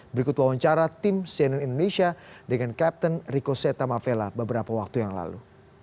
berikut wawancara tim cnn indonesia dengan captain rico seta mavela beberapa waktu yang lalu